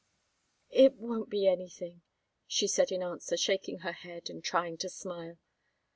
"It won't be anything," she said, in answer, shaking her head and trying to smile.